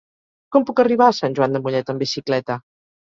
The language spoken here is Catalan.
Com puc arribar a Sant Joan de Mollet amb bicicleta?